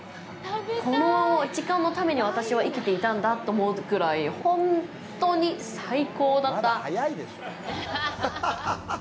この時間のために私は生きていたんだと思うぐらい、ほんとに最高だった！